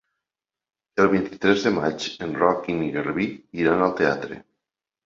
El vint-i-tres de maig en Roc i en Garbí iran al teatre.